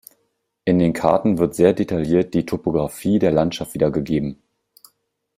In den Karten wird sehr detailliert die Topografie der Landschaft wiedergegeben.